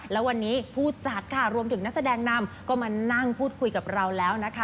แล้ววันนี้ผู้จัดค่ะรวมถึงนักแสดงนำก็มานั่งพูดคุยกับเราแล้วนะคะ